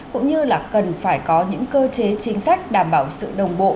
cũng như là cần phải có những cơ chế chính sách đảm bảo sự đồng bộ